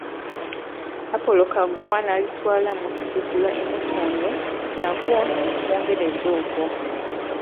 Apolo Kaggwa n'alitwala mu Kisigula e Mutundwe, nakwo ne kwongereza okwo.